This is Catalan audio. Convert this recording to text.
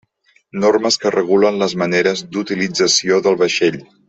Normes que regulen les maneres d'utilització del vaixell.